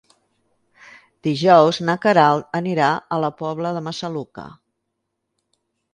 Dijous na Queralt anirà a la Pobla de Massaluca.